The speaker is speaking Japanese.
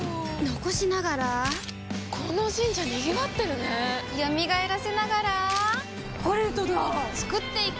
残しながらこの神社賑わってるね蘇らせながらコレドだ創っていく！